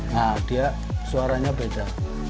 nah dia suaranya beda